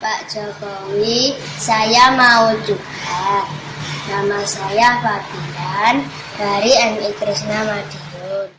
pak jokowi saya mau juga nama saya fabian dari mui trusna madiun